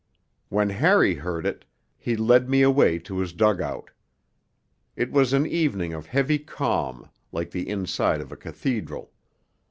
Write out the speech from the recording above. When Harry heard it, he led me away to his dug out. It was an evening of heavy calm, like the inside of a cathedral.